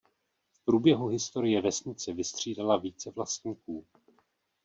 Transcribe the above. V průběhu historie vesnice vystřídala více vlastníků.